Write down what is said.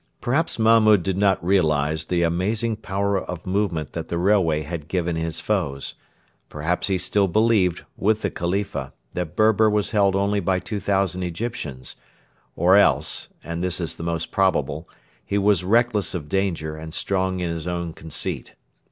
Perhaps Mahmud did not realise the amazing power of movement that the railway had given his foes; perhaps he still believed, with the Khalifa, that Berber was held only by 2,000 Egyptians; or else and this is the most probable he was reckless of danger and strong in his own conceit.